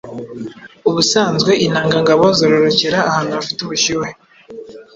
Ubusanzwe intangangabo zororokera ahantu hafite ubushyuhe